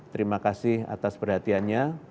terima kasih atas perhatiannya